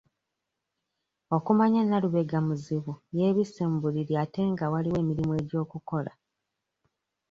Okumanya Nalubega muzibu yeebisse mu buliri ate nga waliwo emirimu egy'okukola.